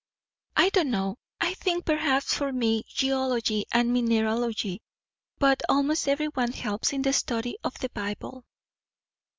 "I don't know. I think, perhaps, for me, geology and mineralogy; but almost every one helps in the study of the Bible."